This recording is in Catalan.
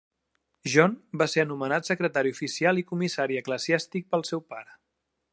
John va se anomenat secretari oficial i comissari eclesiàstic pel seu pare.